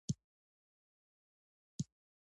باد د ستوریو غږ نه لري، خو سکون ماتوي